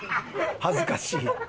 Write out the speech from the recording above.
恥ずかしい。